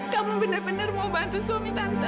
kamu benar benar mau bantu suami tante